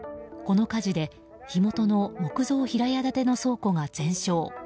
この火事で火元の木造平屋建ての倉庫が全焼。